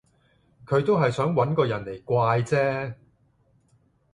佢都係想搵個人嚟怪啫